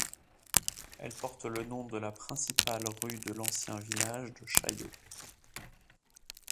Elle porte le nom de la principale rue de l'ancien village de Chaillot.